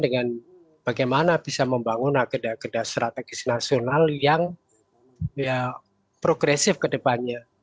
dengan bagaimana bisa membangun agar daftar strategis nasional yang ya progresif kedepannya